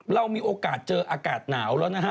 เรามีโอกาสเจออากาศหนาวแล้วนะฮะ